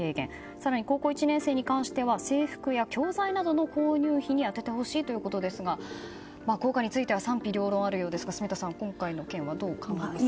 更に高校１年生に関しては制服や教材の購入費に充ててほしいということですが効果については賛否両論あるようですが住田さんはどうお考えですか？